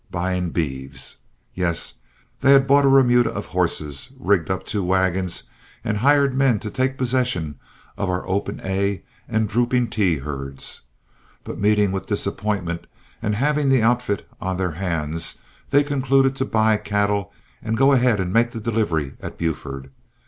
buying beeves. Yes, they had bought a remuda of horses, rigged up two wagons, and hired men to take possession of our 'Open A' and 'Drooping T' herds. But meeting with disappointment and having the outfit on their hands, they concluded to buy cattle and go ahead and make the delivery at Buford.